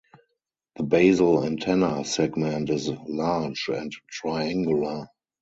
The basal antenna segment is large and triangular.